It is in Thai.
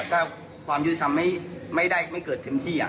ถ้าความยุทิศทำไม่ได้ไม่เกิดเท็มที่อ่ะ